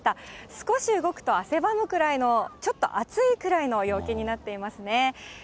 少し動くと汗ばむくらいの、ちょっと暑いくらいの陽気になっていますね。